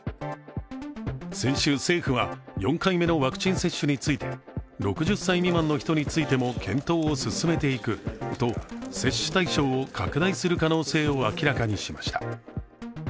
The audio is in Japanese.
先週、政府は４回目のワクチン接種について６０歳未満の人についても検討を進めていくと、接種対象を拡大する可能性を明らかにしました。